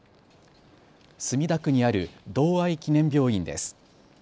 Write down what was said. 墨田区にある同愛記念病院です。